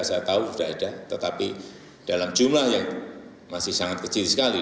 saya tahu sudah ada tetapi dalam jumlah yang masih sangat kecil sekali